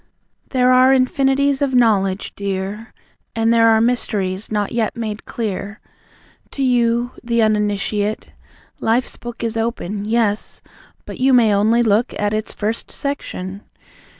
There are Infinities of Knowledge, dear. And there are mysteries, not yet made clear To you, the Uninitiate. ... Life's book Is open, yes; but you may only look At its first section.